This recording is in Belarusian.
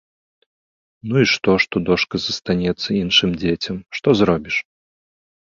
Ну і што, што дошка застанецца іншым дзецям, што зробіш?